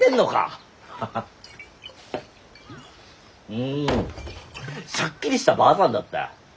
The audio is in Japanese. うんしゃっきりしたばあさんだった。